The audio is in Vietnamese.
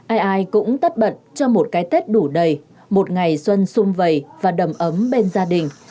ai ai cũng tất bận cho một cái tết đủ đầy một ngày xuân xung vầy và đầm ấm bên gia đình